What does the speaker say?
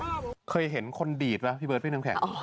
ได้เคยเห็นคนดีดมั้ยพี่เบิร์ตเป็นนึงแค่